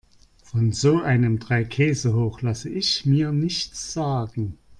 Von so einem Dreikäsehoch lasse ich mir nichts sagen.